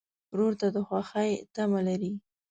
ورور ته د خوښۍ تمه لرې.